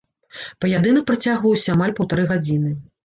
Паядынак працягваўся амаль паўтары гадзіны.